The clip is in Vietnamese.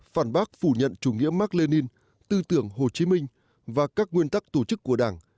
phản bác phủ nhận chủ nghĩa mark lenin tư tưởng hồ chí minh và các nguyên tắc tổ chức của đảng